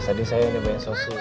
jadi saya yang dibayangin sosis